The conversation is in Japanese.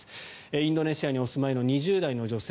インドネシアにお住まいの２０代の女性。